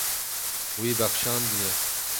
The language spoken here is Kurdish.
Wî bexşandiye.